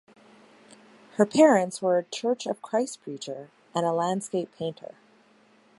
Her parents were a Church of Christ preacher and a landscape painter.